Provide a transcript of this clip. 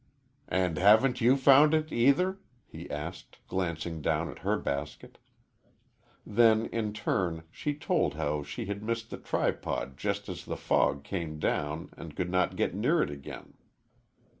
"And haven't you found it either?" he asked, glancing down at her basket. Then, in turn, she told how she had missed the tripod just as the fog came down and could not get near it again.